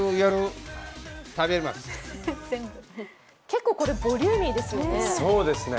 結構これボリューミーですよね。